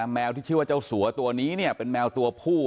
แมวที่ชื่อเจ้าสัวตัวนี้จะเป็นแมวตัวผู้